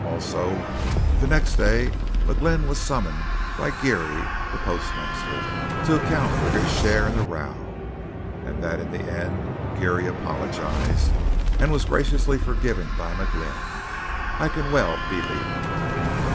Also that next day McGlynn was summoned by Geary, then postmaster, to account for his share in the row; and that in the end Geary apologized and was graciously forgiven by McGlynn! I can well believe it.